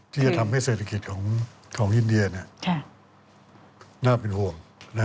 ที่จะทำให้เศรษฐกิจของอินเดียน่าเป็นห่วง